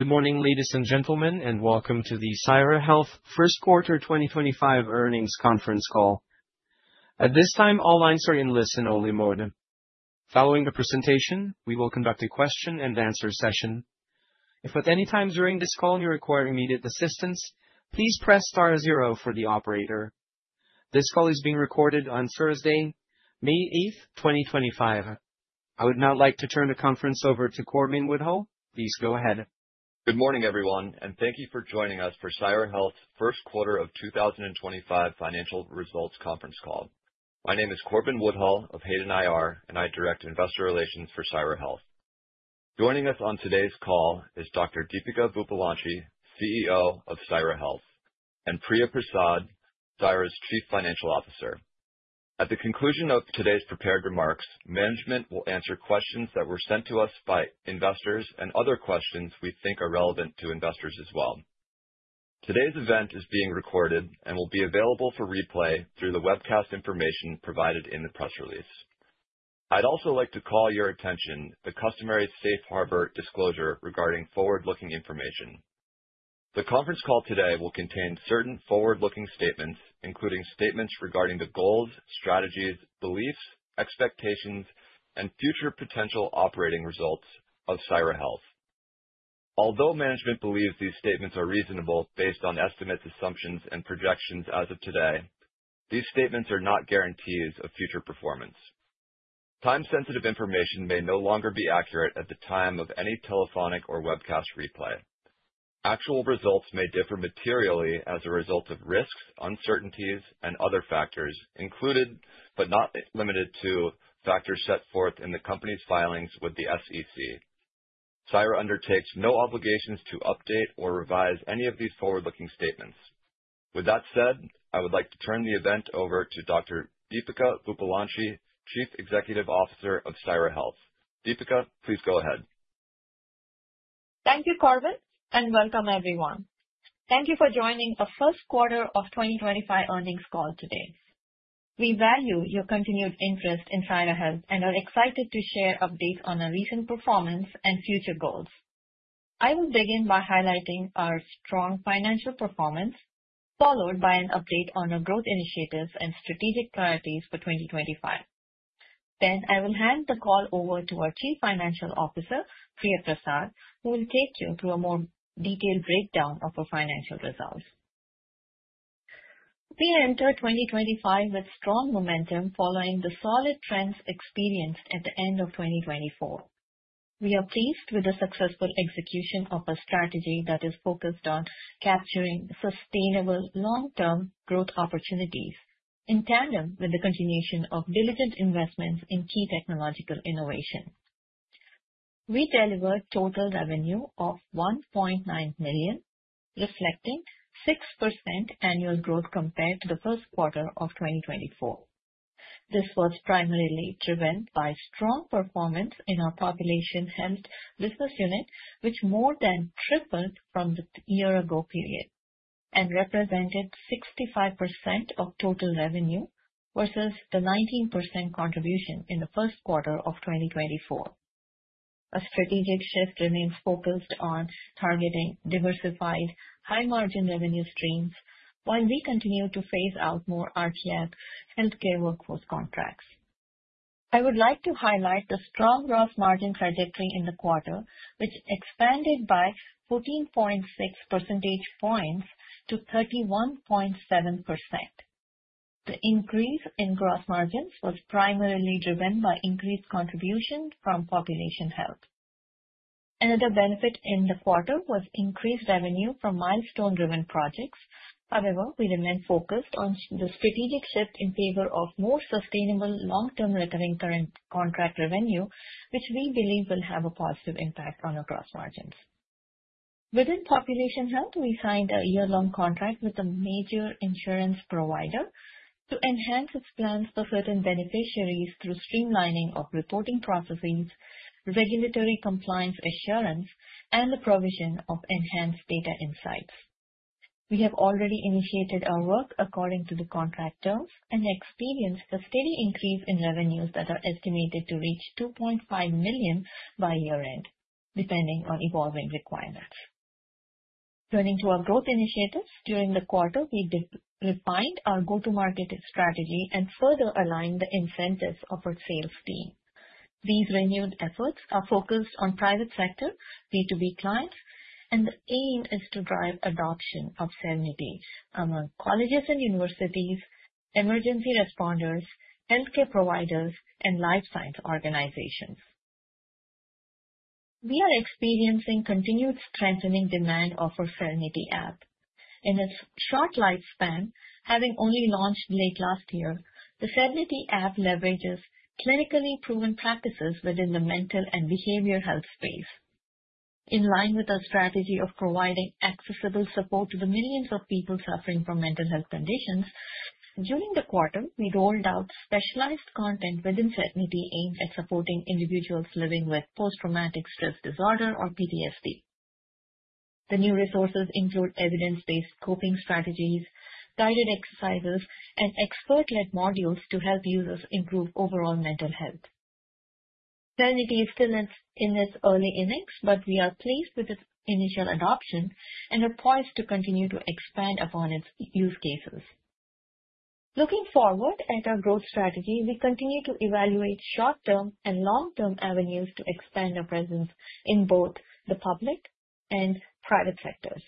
Good morning, ladies and gentlemen, and welcome to the Syra Health Q2 2025 earnings conference call. At this time, all lines are in listen-only mode. Following the presentation, we will conduct a question-and-answer session. If at any time during this call you require immediate assistance, please press star zero for the operator. This call is being recorded on Thursday, May 8, 2025. I would now like to turn the conference over to Corbin Woodhull. Please go ahead. Good morning, everyone, and thank you for joining us for Syra Health Q2 2025 financial results conference call. My name is Corbin Woodhull of Hayden IR, and I direct investor relations for Syra Health. Joining us on today's call is Dr. Deepika Vuppalanchi, CEO of Syra Health, and Priya Prasad, Syra's Chief Financial Officer. At the conclusion of today's prepared remarks, management will answer questions that were sent to us by investors and other questions we think are relevant to investors as well. Today's event is being recorded and will be available for replay through the webcast information provided in the press release. I'd also like to call your attention to the customary safe harbor disclosure regarding forward-looking information. The conference call today will contain certain forward-looking statements, including statements regarding the goals, strategies, beliefs, expectations, and future potential operating results of Syra Health. Although management believes these statements are reasonable based on estimates, assumptions, and projections as of today, these statements are not guarantees of future performance. Time-sensitive information may no longer be accurate at the time of any telephonic or webcast replay. Actual results may differ materially as a result of risks, uncertainties, and other factors, including, but not limited to, factors set forth in the company's filings with the SEC. Syra Health undertakes no obligations to update or revise any of these forward-looking statements. With that said, I would like to turn the event over to Dr. Deepika Vuppalanchi, Chief Executive Officer of Syra Health. Deepika, please go ahead. Thank you, Corbin, and welcome, everyone. Thank you for joining our Q2 2025 earnings call today. We value your continued interest in Syra Health and are excited to share updates on our recent performance and future goals. I will begin by highlighting our strong financial performance, followed by an update on our growth initiatives and strategic priorities for 2025. Then, I will hand the call over to our Chief Financial Officer, Priya Prasad, who will take you through a more detailed breakdown of our financial results. We enter 2025 with strong momentum following the solid trends experienced at the end of 2024. We are pleased with the successful execution of our strategy that is focused on capturing sustainable long-term growth opportunities in tandem with the continuation of diligent investments in key technological innovation. We delivered total revenue of $1.9 million, reflecting 6% annual growth compared to the Q1 of 2024. This was primarily driven by strong performance in our population health business unit, which more than tripled from the year-ago period and represented 65% of total revenue versus the 19% contribution in Q1 of 2024. Our strategic shift remains focused on targeting diversified, high-margin revenue streams while we continue to phase out more RTF healthcare workforce contracts. I would like to highlight the strong gross margin trajectory in Q1, which expanded by 14.6 percentage points to 31.7%. The increase in gross margins was primarily driven by increased contribution from population health. Another benefit in Q1 was increased revenue from milestone-driven projects. However, we remained focused on the strategic shift in favor of more sustainable, long-term recurring current contract revenue, which we believe will have a positive impact on our gross margins. Within population health, we signed a year-long contract with a major insurance provider to enhance its plans for certain beneficiaries through streamlining of reporting processes, regulatory compliance assurance, and the provision of enhanced data insights. We have already initiated our work according to the contract terms and experienced a steady increase in revenues that are estimated to reach $2.5 million by year-end, depending on evolving requirements. Turning to our growth initiatives, during Q1, we refined our go-to-market strategy and further aligned the incentives of our sales team. These renewed efforts are focused on private sector B2B clients, and the aim is to drive adoption of Serenity among colleges and universities, emergency responders, healthcare providers, and life science organizations. We are experiencing continued strengthening demand of our Serenity app. In its short lifespan, having only launched late last year, the Serenity app leverages clinically proven practices within the mental and behavioral health space. In line with our strategy of providing accessible support to the millions of people suffering from mental health conditions, during Q1, we rolled out specialized content within Serenity aimed at supporting individuals living with post-traumatic stress disorder or PTSD. The new resources include evidence-based coping strategies, guided exercises, and expert-led modules to help users improve overall mental health. Serenity is still in its early innings, but we are pleased with its initial adoption and are poised to continue to expand upon its use cases. Looking forward at our growth strategy, we continue to evaluate short-term and long-term avenues to expand our presence in both the public and private sectors.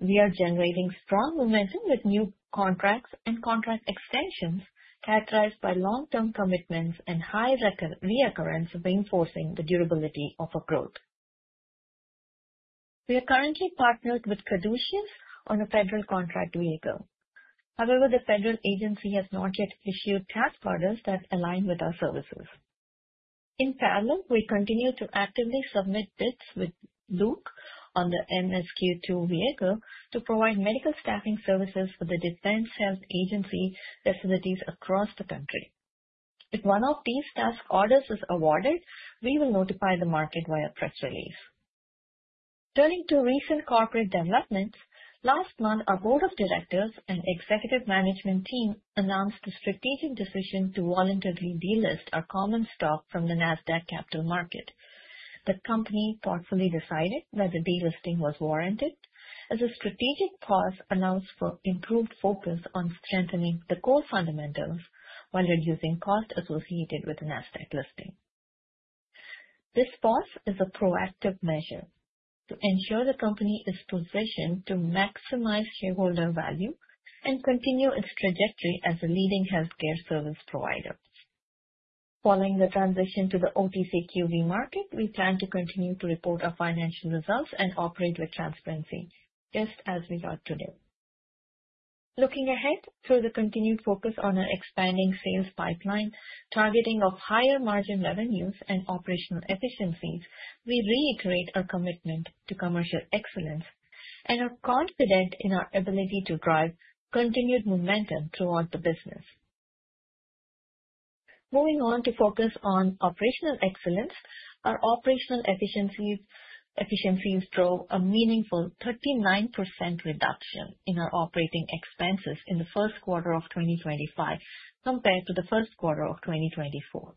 We are generating strong momentum with new contracts and contract extensions characterized by long-term commitments and high reoccurrence, reinforcing the durability of our growth. We are currently partnered with Caduceus on a federal contract vehicle. However, the federal agency has not yet issued task orders that align with our services. In parallel, we continue to actively submit bids with Luke on the MSQ-2 vehicle to provide medical staffing services for the Defense Health Agency facilities across the country. If one of these task orders is awarded, we will notify the market via press release. Turning to recent corporate developments, last month, our board of directors and executive management team announced the strategic decision to voluntarily delist our common stock from the NASDAQ capital market. The company thoughtfully decided that the delisting was warranted, as a strategic pause announced for improved focus on strengthening the core fundamentals while reducing costs associated with the NASDAQ listing. This pause is a proactive measure to ensure the company is positioned to maximize shareholder value and continue its trajectory as a leading healthcare service provider. Following the transition to the OTCQB market, we plan to continue to report our financial results and operate with transparency, just as we are today. Looking ahead through the continued focus on our expanding sales pipeline, targeting of higher margin revenues and operational efficiencies, we reiterate our commitment to commercial excellence and are confident in our ability to drive continued momentum throughout the business. Moving on to focus on operational excellence, our operational efficiencies drove a meaningful 39% reduction in our operating expenses in Q1 of 2025 compared to Q1 of 2024.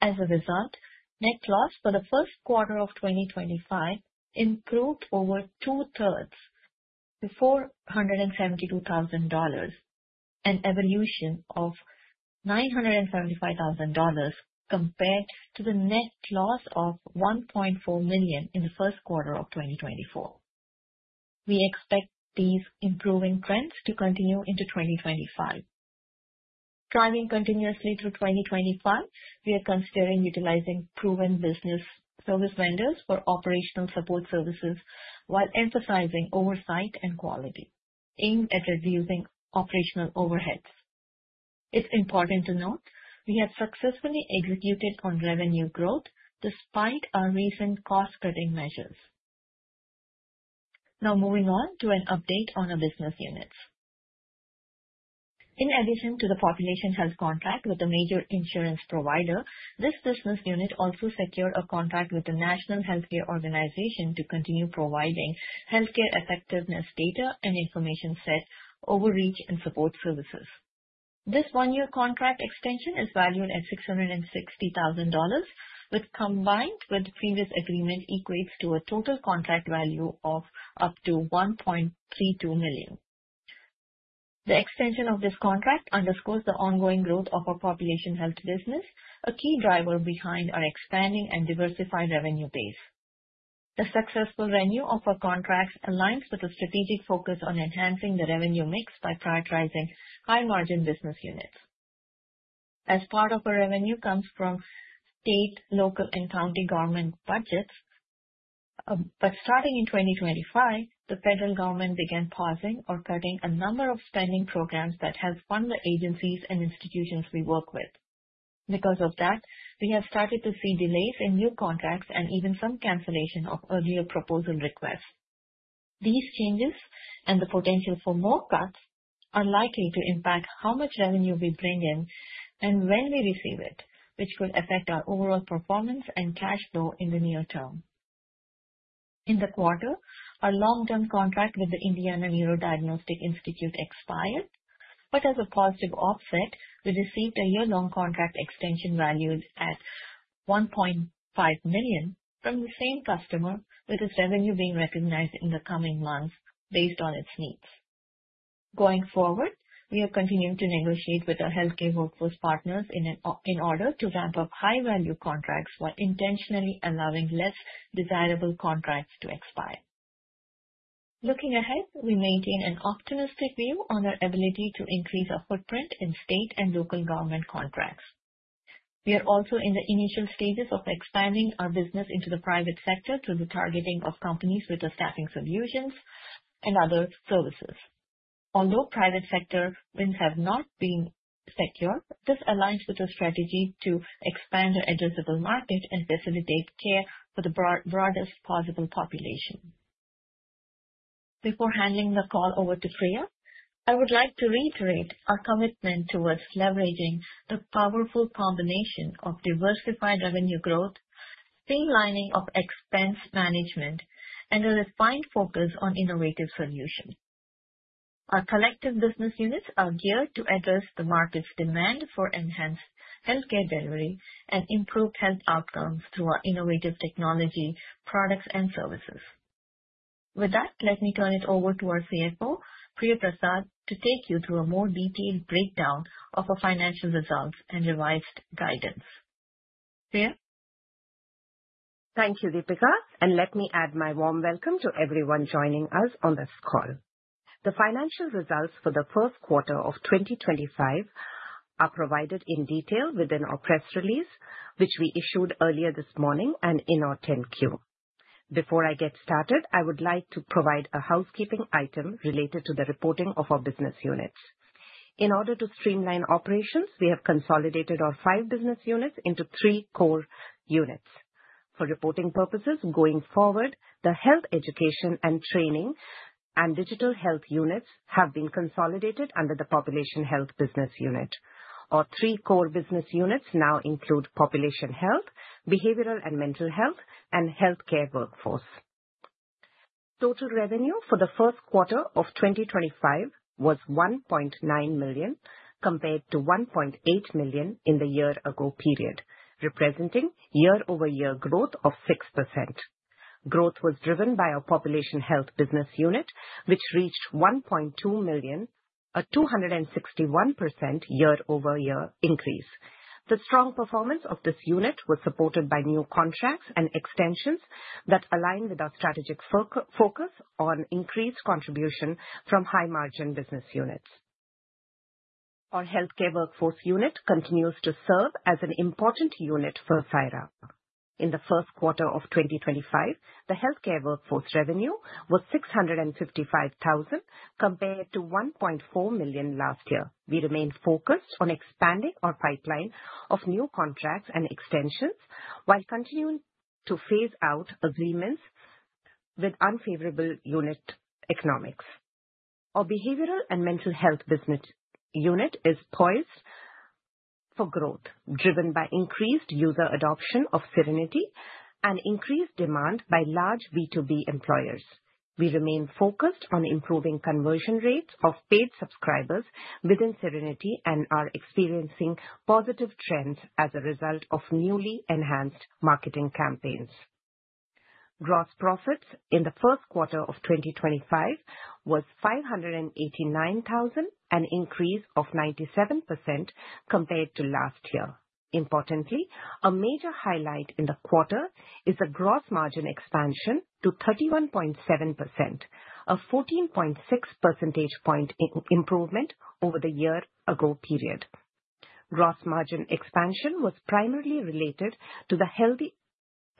As a result, net loss for Q1 of 2025 improved over two-thirds to $472,000, an evolution of $975,000 compared to the net loss of $1.4 million in Q1 of 2024. We expect these improving trends to continue into 2025. Driving continuously through 2025, we are considering utilizing proven business service vendors for operational support services while emphasizing oversight and quality, aimed at reducing operational overheads. It's important to note we have successfully executed on revenue growth despite our recent cost-cutting measures. Now, moving on to an update on our business units. In addition to the population health contract with a major insurance provider, this business unit also secured a contract with the National Healthcare Organization to continue providing healthcare effectiveness data and information set overreach and support services. This one-year contract extension is valued at $660,000, which, combined with the previous agreement, equates to a total contract value of up to $1.32 million. The extension of this contract underscores the ongoing growth of our population health business, a key driver behind our expanding and diversified revenue base. The successful renewal of our contracts aligns with the strategic focus on enhancing the revenue mix by prioritizing high-margin business units. As part of our revenue comes from state, local, and county government budgets, but starting in 2025, the federal government began pausing or cutting a number of spending programs that help fund the agencies and institutions we work with. Because of that, we have started to see delays in new contracts and even some cancellation of earlier proposal requests. These changes and the potential for more cuts are likely to impact how much revenue we bring in and when we receive it, which could affect our overall performance and cash flow in the near term. In Q1, our long-term contract with the Indiana Neurodiagnostic Institute expired, but as a positive offset, we received a year-long contract extension valued at $1.5 million from the same customer, with its revenue being recognized in the coming months based on its needs. Going forward, we are continuing to negotiate with our healthcare workforce partners in order to ramp up high-value contracts while intentionally allowing less desirable contracts to expire. Looking ahead, we maintain an optimistic view on our ability to increase our footprint in state and local government contracts. We are also in the initial stages of expanding our business into the private sector through the targeting of companies with the staffing solutions and other services. Although private sector wins have not been secured, this aligns with our strategy to expand our addressable market and facilitate care for the broadest possible population. Before handing the call over to Priya, I would like to reiterate our commitment towards leveraging the powerful combination of diversified revenue growth, streamlining of expense management, and a refined focus on innovative solutions. Our collective business units are geared to address the market's demand for enhanced healthcare delivery and improved health outcomes through our innovative technology products and services. With that, let me turn it over to our CFO, Priya Prasad, to take you through a more detailed breakdown of our financial results and revised guidance. Priya? Thank you, Deepika, and let me add my warm welcome to everyone joining us on this call. The financial results for Q1 of 2025 are provided in detail within our press release, which we issued earlier this morning and in our 10Q. Before I get started, I would like to provide a housekeeping item related to the reporting of our business units. In order to streamline operations, we have consolidated our 5 business units into 3 core units. For reporting purposes, going forward, the health education and training and digital health units have been consolidated under the population health business unit. Our 3 core business units now include population health, behavioral and mental health, and healthcare workforce. Total revenue for Q1 of 2025 was $1.9 million compared to $1.8 million in the year-ago period, representing year-over-year growth of 6%. Growth was driven by our population health business unit, which reached $1.2 million, a 261% year-over-year increase. The strong performance of this unit was supported by new contracts and extensions that align with our strategic focus on increased contribution from high-margin business units. Our healthcare workforce unit continues to serve as an important unit for Syra Health. In Q1 of 2025, the healthcare workforce revenue was $655,000 compared to $1.4 million last year. We remain focused on expanding our pipeline of new contracts and extensions while continuing to phase out agreements with unfavorable unit economics. Our behavioral and mental health business unit is poised for growth, driven by increased user adoption of Serenity and increased demand by large B2B employers. We remain focused on improving conversion rates of paid subscribers within Serenity and are experiencing positive trends as a result of newly enhanced marketing campaigns. Gross profits in Q1 of 2025 was $589,000, an increase of 97% compared to last year. Importantly, a major highlight in Q4 is the gross margin expansion to 31.7%, a 14.6 percentage point improvement over the year-ago period. Gross margin expansion was primarily related to the healthy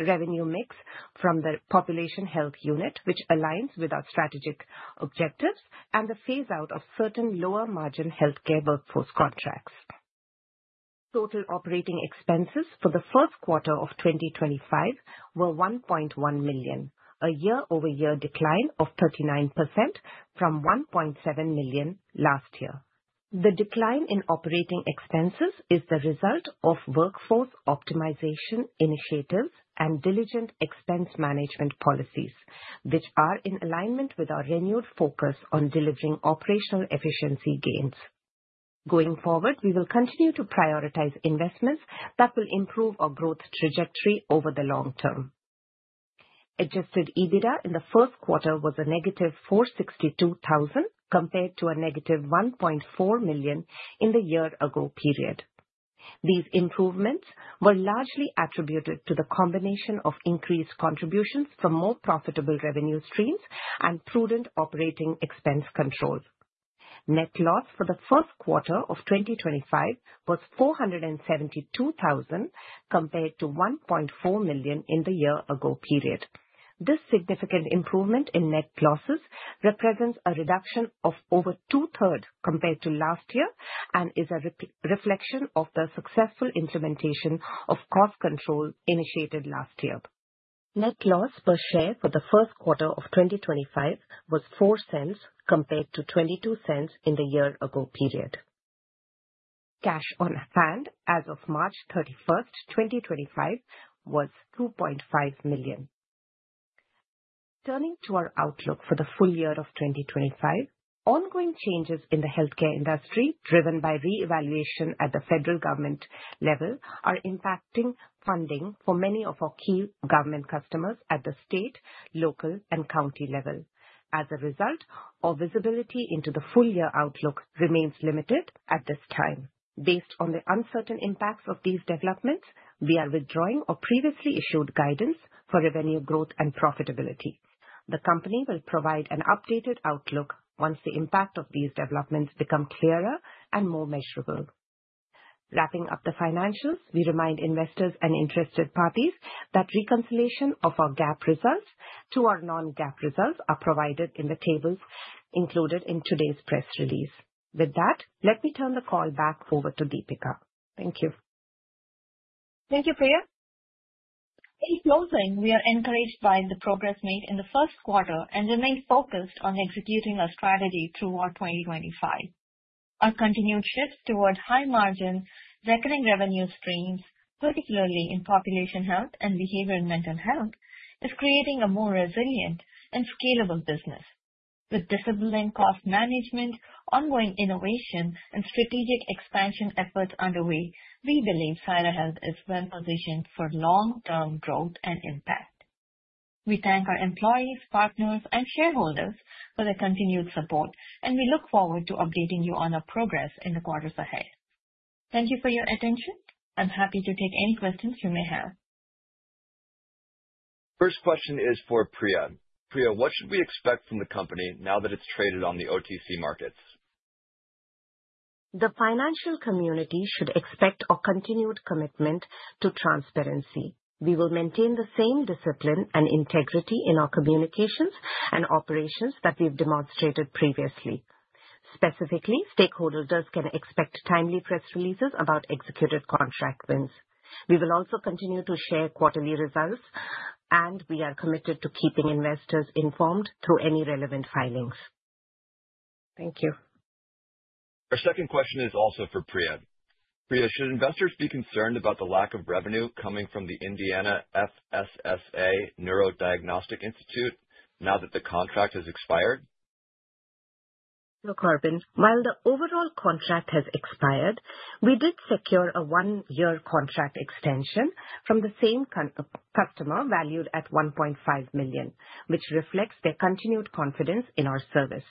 revenue mix from the population health unit, which aligns with our strategic objectives and the phase-out of certain lower-margin healthcare workforce contracts. Total operating expenses for Q1 of 2025 were $1.1 million, a year-over-year decline of 39% from $1.7 million last year. The decline in operating expenses is the result of workforce optimization initiatives and diligent expense management policies, which are in alignment with our renewed focus on delivering operational efficiency gains. Going forward, we will continue to prioritize investments that will improve our growth trajectory over the long term. Adjusted EBITDA in Q1 was a negative $462,000 compared to a negative $1.4 million in the year-ago period. These improvements were largely attributed to the combination of increased contributions from more profitable revenue streams and prudent operating expense control. Net loss for Q1 of 2025 was $472,000 compared to $1.4 million in the year-ago period. This significant improvement in net losses represents a reduction of over two-thirds compared to last year and is a reflection of the successful implementation of cost control initiated last year. Net loss per share for Q1 of 2025 was $0.04 compared to $0.22 in the year-ago period. Cash on hand as of March 31, 2025, was $2.5 million. Turning to our outlook for Q1 of 2025, ongoing changes in the healthcare industry, driven by reevaluation at the federal government level, are impacting funding for many of our key government customers at the state, local, and county level. As a result, our visibility into the full-year outlook remains limited at this time. Based on the uncertain impacts of these developments, we are withdrawing our previously issued guidance for revenue growth and profitability. The company will provide an updated outlook once the impact of these developments becomes clearer and more measurable. Wrapping up the financials, we remind investors and interested parties that reconciliation of our GAAP results to our non-GAAP results is provided in the tables included in today's press release. With that, let me turn the call back over to Deepika. Thank you. Thank you, Priya. In closing, we are encouraged by the progress made in Q1 and remain focused on executing our strategy throughout 2025. Our continued shift toward high-margin recurring revenue streams, particularly in population health and behavioral and mental health, is creating a more resilient and scalable business. With discipline in cost management, ongoing innovation, and strategic expansion efforts underway, we believe Syra Health is well-positioned for long-term growth and impact. We thank our employees, partners, and shareholders for their continued support, and we look forward to updating you on our progress in the quarters ahead. Thank you for your attention. I'm happy to take any questions you may have. First question is for Priya. Priya, what should we expect from the company now that it's traded on the OTC markets? The financial community should expect our continued commitment to transparency. We will maintain the same discipline and integrity in our communications and operations that we've demonstrated previously. Specifically, stakeholders can expect timely press releases about executed contract wins. We will also continue to share quarterly results, and we are committed to keeping investors informed through any relevant filings. Thank you. Our second question is also for Priya. Priya, should investors be concerned about the lack of revenue coming from the Indiana FSSA Neurodiagnostic Institute now that the contract has expired? Dear Corbin, while the overall contract has expired, we did secure a one-year contract extension from the same customer valued at $1.5 million, which reflects their continued confidence in our service.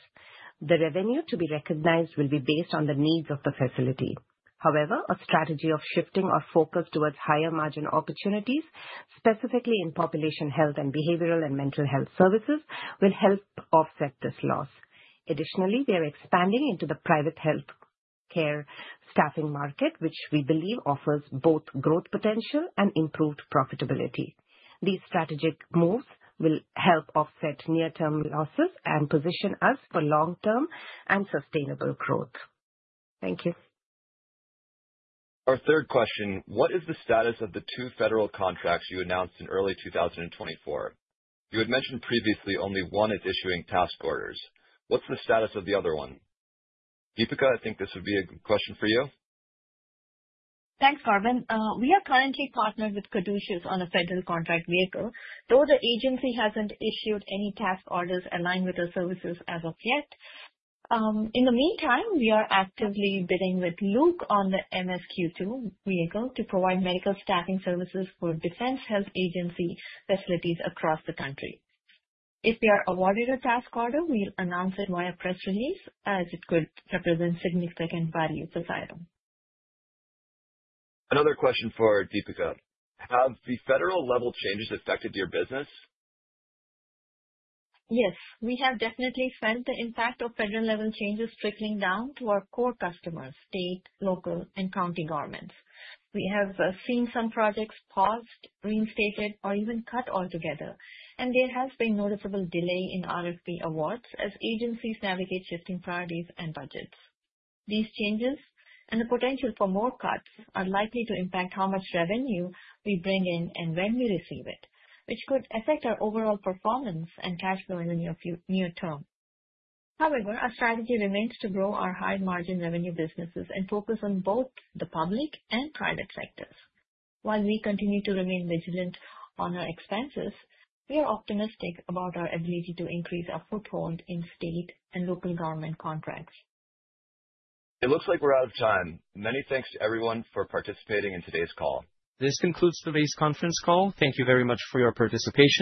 The revenue to be recognized will be based on the needs of the facility. However, our strategy of shifting our focus towards higher-margin opportunities, specifically in population health and behavioral and mental health services, will help offset this loss. Additionally, we are expanding into the private healthcare staffing market, which we believe offers both growth potential and improved profitability. These strategic moves will help offset near-term losses and position us for long-term and sustainable growth. Thank you. Our third question: What is the status of the 2 federal contracts you announced in early 2024? You had mentioned previously only one is issuing task orders. What's the status of the other one? Deepika, I think this would be a good question for you. Thanks, Corbin. We are currently partnered with Caduceus on a federal contract vehicle, though the agency hasn't issued any task orders aligned with our services as of yet. In the meantime, we are actively bidding with Luke on the MSQ-2 vehicle to provide medical staffing services for Defense Health Agency facilities across the country. If we are awarded a task order, we'll announce it via press release as it could represent significant value to Syra Health. Another question for Deepika. Have the federal-level changes affected your business? Yes, we have definitely felt the impact of federal-level changes trickling down to our core customers: state, local, and county governments. We have seen some projects paused, reinstated, or even cut altogether, and there has been noticeable delay in RFP awards as agencies navigate shifting priorities and budgets. These changes and the potential for more cuts are likely to impact how much revenue we bring in and when we receive it, which could affect our overall performance and cash flow in the near term. However, our strategy remains to grow our high-margin revenue businesses and focus on both the public and private sectors. While we continue to remain vigilant on our expenses, we are optimistic about our ability to increase our foothold in state and local government contracts. It looks like we're out of time. Many thanks to everyone for participating in today's call. This concludes today's conference call. Thank you very much for your participation.